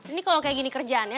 ini kalau kayak gini kerjaannya